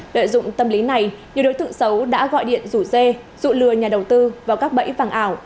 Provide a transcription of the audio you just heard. lợi dụng tâm lý này nhiều đối tượng xấu đã gọi điện rủ dê dụ lừa nhà đầu tư vào các bẫy vàng ảo